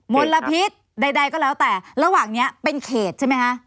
ลพิษใดก็แล้วแต่ระหว่างนี้เป็นเขตใช่ไหมคะ